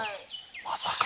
まさか。